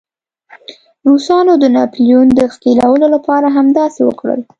روسانو د ناپلیون د ښکېلولو لپاره همداسې وکړل.